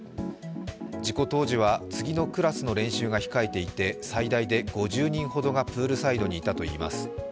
事故当時は次のクラスの練習が控えていて最大で５０人ほどがプールサイドにいたといいます。